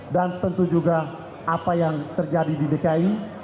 dan tentu juga apa yang terjadi di dki